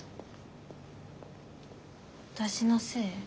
私のせい？